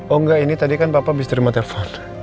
oh enggak ini tadi kan papa abis terima telepon